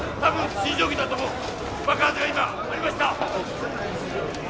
爆発が今起こりました。